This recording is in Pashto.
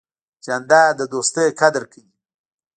جانداد د دوستۍ قدر کوي.